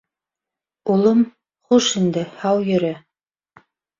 — Улым, хуш инде, һау йөрө.